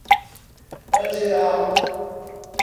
Andirá